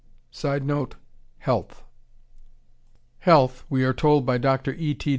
[Sidenote: Health.] "Health," we are told by Dr. E. T.